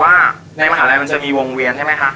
ว่าในมหาลัยมันจะมีวงเวียนใช่ไหมคะ